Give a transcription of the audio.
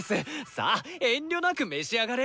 さぁ遠慮なく召し上がれ！